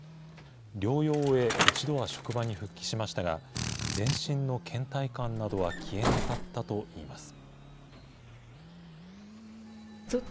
療養を終え、一度は職場に復帰しましたが、全身のけん怠感などは消えなかったといいます。